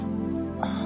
ああ。